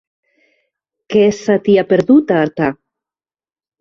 Què se t'hi ha perdut, a Artà?